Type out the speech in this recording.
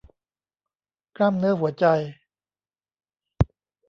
กล้ามเนื้อหัวใจ